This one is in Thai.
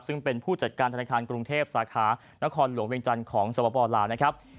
ซึ่งเป็นผู้จัดการธนาคารกรุงเทพสาขานครหลวงเวียงจันทร์ของสวปลาวนะครับ